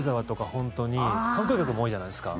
本当に観光客も多いじゃないですか。